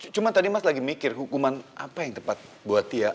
cuma tadi mas lagi mikir hukuman apa yang tepat buat tia